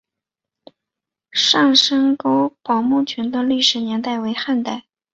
上深沟堡墓群的历史年代为汉代。